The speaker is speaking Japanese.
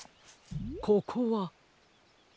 ここは。